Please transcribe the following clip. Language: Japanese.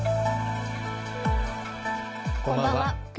こんばんは。